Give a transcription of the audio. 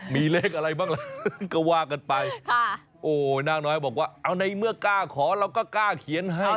มีเลขอะไรบ้างล่ะก็ว่ากันไปโอ้นางน้อยบอกว่าเอาในเมื่อกล้าขอเราก็กล้าเขียนให้